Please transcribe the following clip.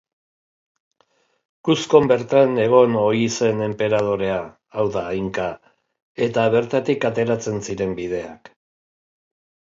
Cuzcon bertan egon ohi zen enperadorea, hau da Inka, eta bertatik ateratzen ziren bideak.